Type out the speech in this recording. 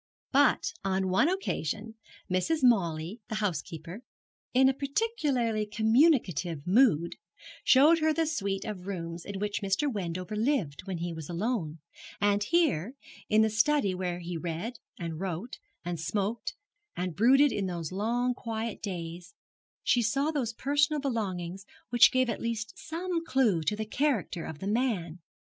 But on one occasion Mrs. Mawley, the housekeeper, in a particularly communicative mood, showed her the suite of rooms in which Mr. Wendover lived when he was alone; and here, in the study where he read, and wrote, and smoked, and brooded in the long quiet days, she saw those personal belongings which gave at least some clue to the character of the man.